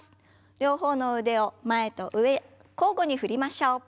両方の腕を前と上交互に振りましょう。